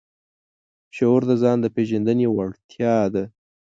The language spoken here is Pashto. شعور د ځان د پېژندنې وړتیا ده.